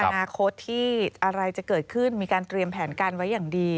อนาคตที่อะไรจะเกิดขึ้นมีการเตรียมแผนการไว้อย่างดี